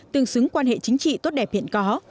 tương xứng quan hệ chính trị tốt đẹp hiện có